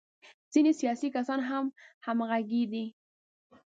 ځینې سیاسي کسان هم همغږي دي.